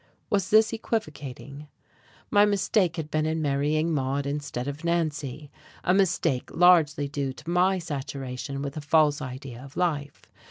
Was this equivocating? My mistake had been in marrying Maude instead of Nancy a mistake largely due to my saturation with a false idea of life.